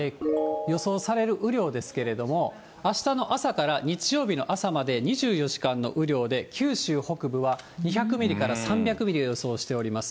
予想される雨量ですけども、あしたの朝から日曜日の朝まで２４時間の雨量で九州北部は２００ミリから３００ミリを予想しております。